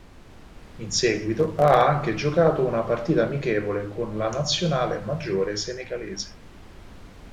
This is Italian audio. In seguito ha anche giocato una partita amichevole con la Nazionale maggiore senegalese.